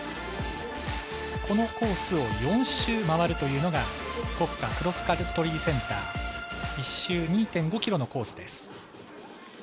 このコースを４周回るというのが国家クロスカントリーセンター１周２．５ｋｍのコースです。